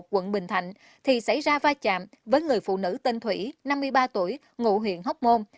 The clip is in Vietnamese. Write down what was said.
quận bình thạnh thì xảy ra vai chạm với người phụ nữ tên thủy năm mươi ba tuổi ngụ huyện hóc môn